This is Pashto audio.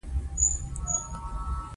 بیا د شمال له اصلي ښکلا څخه خوند اخیستل کیږي